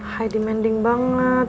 high demanding banget